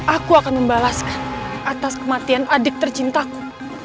aku akan membalaskan atas kematian adik tercintaku